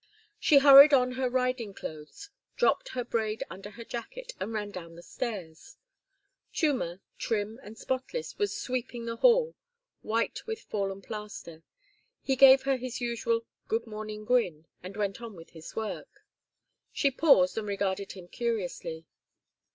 She hurried on her riding clothes, dropped her braid under her jacket, and ran down the stairs. Chuma, trim and spotless, was sweeping the hall, white with fallen plaster. He gave her his usual good morning grin and went on with his work. She paused and regarded him curiously.